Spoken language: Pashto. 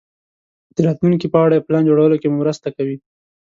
د راتلونکې په اړه پلان جوړولو کې مو مرسته کوي.